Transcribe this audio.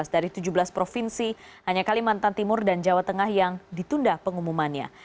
dari tujuh belas provinsi hanya kalimantan timur dan jawa tengah yang ditunda pengumumannya